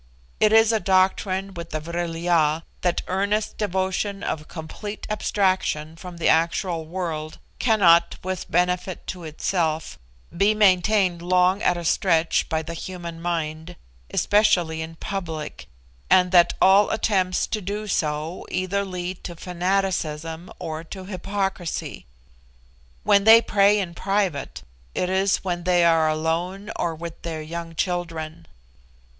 It is a doctrine with the Vril ya, that earnest devotion or complete abstraction from the actual world cannot, with benefit to itself, be maintained long at a stretch by the human mind, especially in public, and that all attempts to do so either lead to fanaticism or to hypocrisy. When they pray in private, it is when they are alone or with their young children.